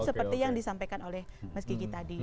seperti yang disampaikan oleh mas gigi tadi